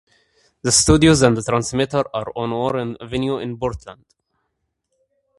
The studios and transmitter are on Warren Avenue in Portland.